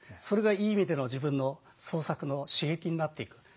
それがいい意味での自分の創作の刺激になっていく。